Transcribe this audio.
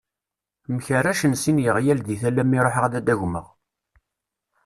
Mkerracen sin yeɣyal di tala mi ṛuḥeɣ ad ad d-agmeɣ.